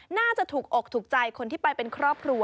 น่าจะถูกอกถูกใจคนที่ไปเป็นครอบครัว